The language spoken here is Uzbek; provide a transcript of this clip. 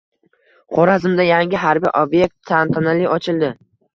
Xorazmda yangi harbiy ob’ekt tantanali ochildi